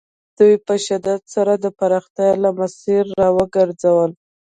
دوی په شدت سره د پراختیا له مسیره را وګرځول.